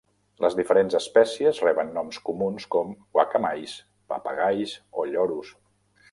Les diferents espècies reben noms comuns com guacamais, papagais o lloros.